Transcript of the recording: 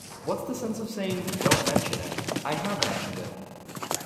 What's the sense of saying, 'Don't mention it'? I have mentioned it.